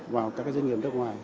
vào các doanh nghiệp nước ngoài